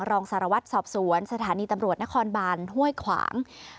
รองสารวัตรสอบสวนสถานีตำรวจนครบานห้วยขวาง